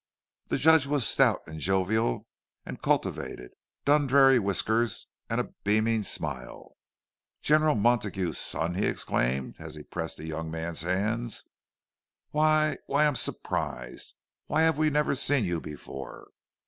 The Judge was stout and jovial, and cultivated Dundreary whiskers and a beaming smile. "General Montague's son!" he exclaimed, as he pressed the young man's hands. "Why, why—I'm surprised! Why have we never seen you before?"